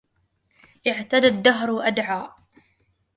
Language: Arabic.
اعتدى الدهر وادعى